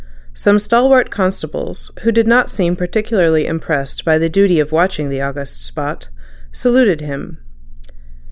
Some stalwart constables, who did not seem particularly impressed by the duty of watching the august spot, saluted him.